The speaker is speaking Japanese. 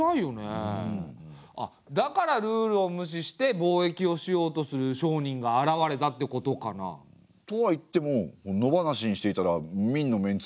あっだからルールを無視して貿易をしようとする商人が現れたってことかな？とはいっても野放しにしていたら明のメンツは丸つぶれですよ。